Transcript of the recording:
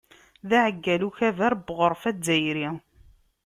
D aɛeggal n Ukabar n Uɣref Azzayri.